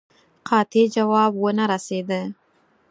قاطع جواب ونه رسېدی.